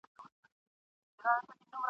ځان ازاد که له ټولۍ د ظالمانو ..